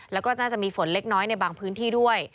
แล้วก็น่าจะมีฝนเล็กน้อยในบางพื้นที่ด้วย